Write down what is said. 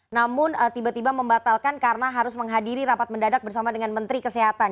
namun tiba tiba membatalkan karena harus menghadiri rapat mendadak bersama dengan menteri kesehatan